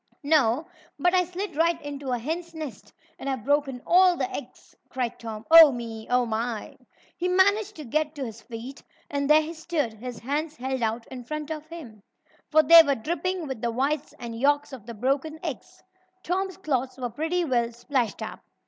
"No, but I slid right into a hen's nest, and I've broken all the eggs!" cried Tom. "Oh, me! Oh, my!" He managed to get to his feet, and there he stood, his hands held out in front of him, for they were dripping with the whites and yolks of the broken eggs. Tom's clothes were pretty well splashed up.